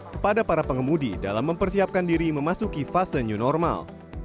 kepada para pengemudi dalam mempersiapkan diri memasuki fase new normal